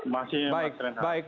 masih pak renhardt